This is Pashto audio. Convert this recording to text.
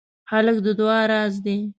هلک د دعا راز دی.